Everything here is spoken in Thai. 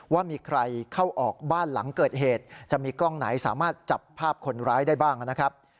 ว่ามีใครเข้าออกบ้านหลังเกิดเหตุจะมีกล้องไหนสามารถจับภาพคนร้ายได้บ้างนะครับ